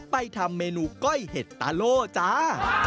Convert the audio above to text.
ทำเมนูก้อยเห็ดตาโล่จ้า